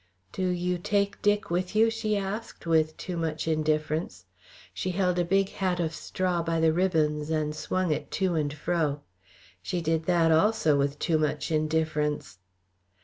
"Do you take Dick with you?" she asked, with too much indifference. She held a big hat of straw by the ribbons and swung it to and fro. She did that also with too much indifference.